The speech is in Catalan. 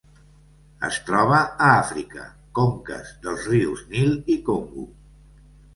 Es troba a Àfrica: conques dels rius Nil i Congo.